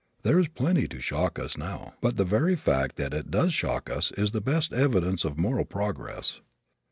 There is plenty to shock us now but the very fact that it does shock us is the best evidence of moral progress.